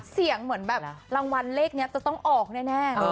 เสียงเหมือนแบบรางวัลเลขนี้จะต้องออกแน่